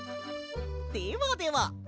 ではでは。